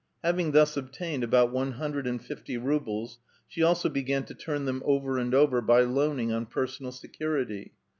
Hav ing thus obtained about one hundred and fifty rubles, she also began to turn them over and over by loaning on personal security.